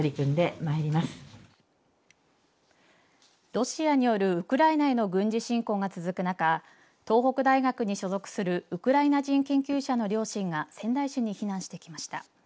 ロシアによるウクライナへの軍事侵攻が続く中東北大学に所属するウクライナ人研究者の両親が仙台市に避難してきました。